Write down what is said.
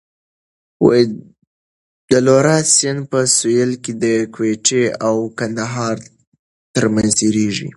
د لورا سیند په سوېل کې د کویټې او کندهار ترمنځ تېرېږي.